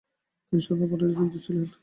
তিনি স্বতন্ত্র পার্টিতে যোগ দিয়েছিলেন।